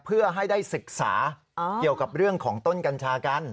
เพื่อให้ได้ศึกษาเกี่ยวกับเรื่องของต้นกัญชากัน